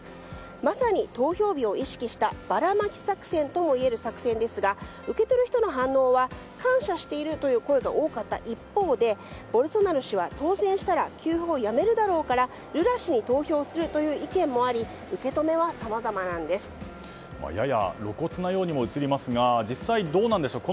まさに投票日を意識したバラマキ作戦ともいえる作戦ですが受け取る人の反応は感謝しているという声が多かった一方でボルソナロ氏は当選したら給付をやめるだろうからルラ氏に投票するという意見もありやや露骨なようにも映りますが実際、どうなんでしょう。